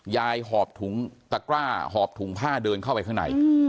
หอบถุงตะกร้าหอบถุงผ้าเดินเข้าไปข้างใน